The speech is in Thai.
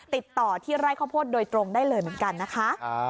ติดต่อที่ไร่ข้าวโพดโดยตรงได้เลยเหมือนกันนะคะ